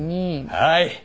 はい。